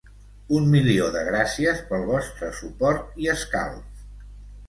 Un milió de gràcies pel vostre suport i escalf.